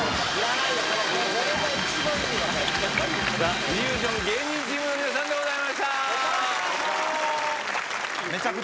イリュージョン芸人チームの皆さんでございました。